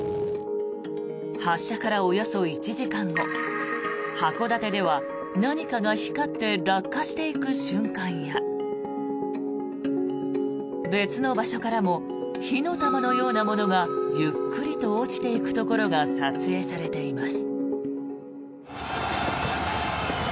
発射からおよそ１時間後函館では何かが光って落下していく瞬間や別の場所からも火の玉のようなものがゆっくりと落ちていくところが撮影されています。